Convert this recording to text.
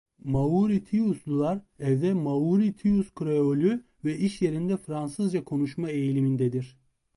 Mauritiuslular evde Mauritius Kreolü ve iş yerinde Fransızca konuşma eğilimindedir.